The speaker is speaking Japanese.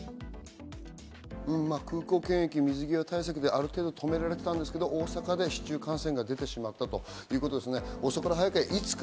空港検疫、水際対策である程度止められたんですけど、大阪で市中感染が出てしまったということですね。